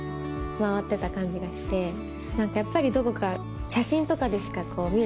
何かやっぱりどこか。